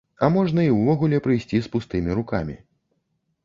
А можна і ўвогуле прыйсці з пустымі рукамі.